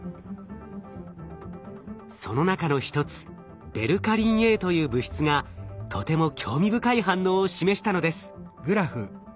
その中の一つベルカリンＡという物質がとても興味深い反応を示したのです。